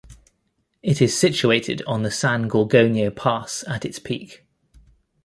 It is situated on the San Gorgonio Pass at its peak.